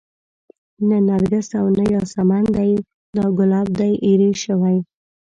نه نرګس او نه ياسمن دى دا ګلاب دى ايرې شوى